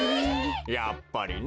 やっぱりね。